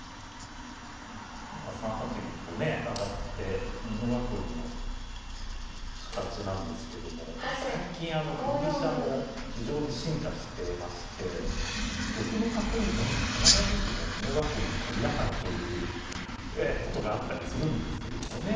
今３八銀とね上がって美濃囲いの形なんですけども最近振り飛車も非常に進化してまして玉の囲いも必ずしも美濃囲いに限らないということがあったりするんですけれどもね。